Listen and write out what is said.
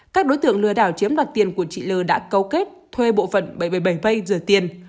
các đối tượng lừa đảo chiếm đoạt tiền của chị l đã câu kết thuê bộ phận bảy trăm bảy mươi bảy vây rửa tiền